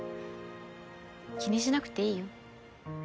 気にしなくていいよ。